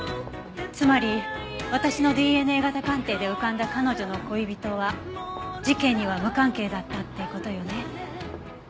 つまり私のＤＮＡ型鑑定で浮かんだ彼女の恋人は事件には無関係だったっていう事よね。